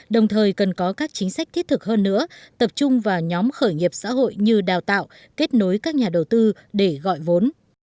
đồng thời cần có các chính sách thiết thực hơn nữa tập trung vào nhóm khởi nghiệp xã hội như đào tạo kết nối các nhà đầu tư để gọi vốn